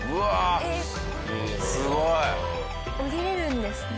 すごい！降りれるんですね。